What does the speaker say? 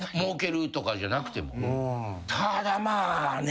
ただまあね。